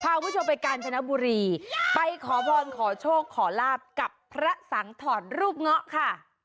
พาวุชโชว์ไปการจนบุรีไปขอพรขอโชคขอลาบกับพระสังธรรมรูปง่อค่ะ